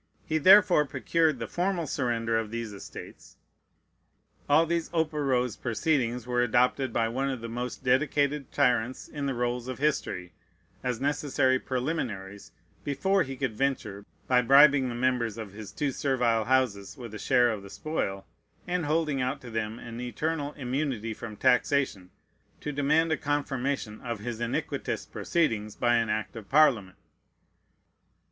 He therefore procured the formal surrender of these estates. All these operose proceedings were adopted by one of the most decided tyrants in the rolls of history, as necessary preliminaries, before he could venture, by bribing the members of his two servile Houses with a share of the spoil, and holding out to them an eternal immunity from taxation, to demand a confirmation of his iniquitous proceedings by an act of Parliament.